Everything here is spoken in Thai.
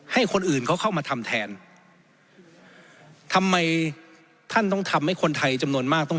ให้คนอื่นเขาเข้ามาทำแทนทำไมท่านต้องทำให้คนไทยจำนวนมากต้อง